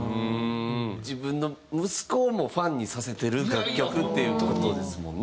自分の息子をもファンにさせてる楽曲っていう事ですもんね。